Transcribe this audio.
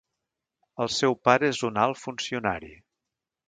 El seu pare és un alt funcionari.